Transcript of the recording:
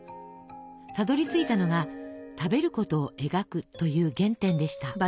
たどりついたのが「食べることを描く」という原点でした。